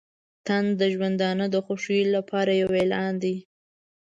طنز د ژوندانه د خوښیو لپاره یو اعلان دی.